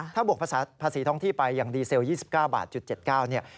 ถ้าบวกภาษีท้องที่ไปอย่างดีเซล๒๙บาท๗๙เนี่ย